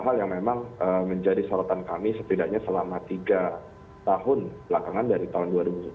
hal yang memang menjadi sorotan kami setidaknya selama tiga tahun belakangan dari tahun dua ribu tujuh belas